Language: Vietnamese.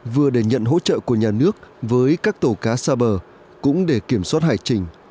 vừa để nhận hỗ trợ của nhà nước với các tàu cá xa bờ cũng để kiểm soát hải trình